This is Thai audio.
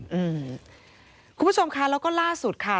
คุณผู้ชมค่ะแล้วก็ล่าสุดค่ะ